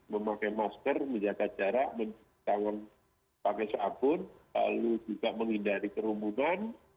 memakai masker menjaga jarak menjaga pake sabun lalu juga menghindari kerumunan